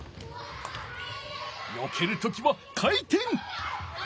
よける時は回てん！